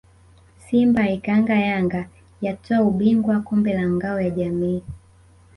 Simba yaikaanga Yanga yatwaa ubingwa kombe la Ngao ya Jamii